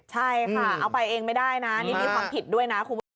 ใช่ค่ะเอาไปเองไม่ได้นะนี่มีความผิดด้วยนะคุณผู้ชม